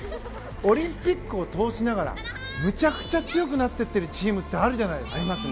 オリンピックを通しながらむちゃくちゃ強くなっていってるチームってあるじゃないですか。